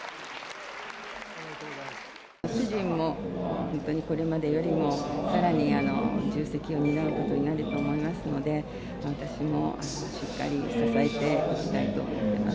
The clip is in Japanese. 主人も、本当にこれまでよりもさらに重責を担うことになると思いますので、私もしっかり支えていきたいと思ってます。